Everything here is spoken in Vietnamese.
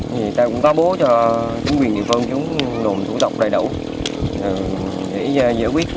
thế nên tao cũng cá bố cho chủ quyền địa phương chúng nồn thủ tộc đầy đủ để giải quyết cho dân chúng ta được yên tâm hơn